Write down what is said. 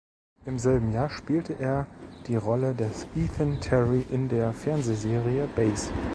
Im selben Jahr spielte er die Rolle des Ethan Terri in der Fernsehserie "Base".